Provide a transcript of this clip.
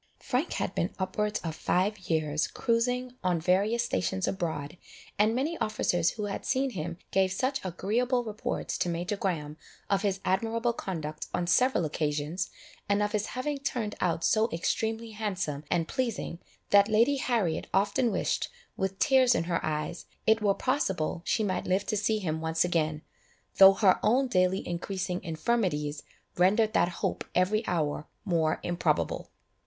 Frank had been upwards of five years cruizing on various stations abroad, and many officers who had seen him, gave such agreeable reports to Major Graham of his admirable conduct on several occasions, and of his having turned out so extremely handsome and pleasing, that Lady Harriet often wished, with tears in her eyes, it were possible she might live to see him once again, though her own daily increasing infirmities rendered that hope every hour more improbable.